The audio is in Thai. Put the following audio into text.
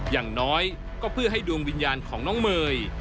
อย่างน้อยก็เพื่อให้ดวงวิญญาณของน้องเมย์